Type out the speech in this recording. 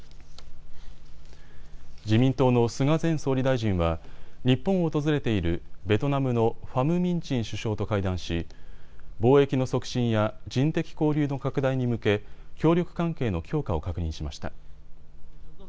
自民党の菅前総理大臣は日本を訪れているベトナムのファム・ミン・チン首相と会談し、貿易の促進や人的交流の拡大に向け協力関係の強化を確認しました。